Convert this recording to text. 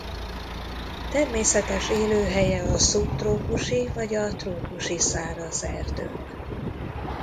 Természetes élőhelye a szubtrópusi vagy a trópusi száraz erdők.